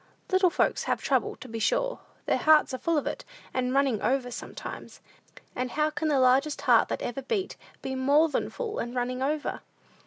Little folks have trouble, to be sure. Their hearts are full of it, and running over, sometimes; and how can the largest heart that ever beat be more than full, and running over?